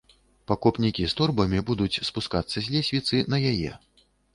Пакупнікі з торбамі будуць спускацца з лесвіцы на яе.